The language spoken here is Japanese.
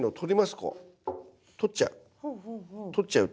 取っちゃう。